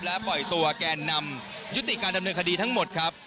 และปล่อยตัวแกนนำยุติการดำเนินคดีทั้งหมดครับ